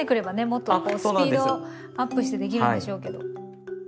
もっとスピードアップしてできるんでしょうけど。